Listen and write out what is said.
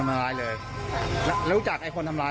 ไม่เคยรู้จักไม่เห็นหน้าเลย